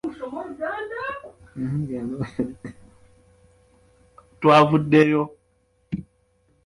Ekirungi naye nga tulemerako.